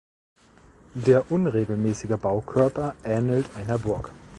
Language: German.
Der unregelmäßige Baukörper ähnelt einer Burg.